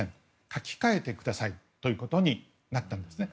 書きかえてくださいということになったんですね。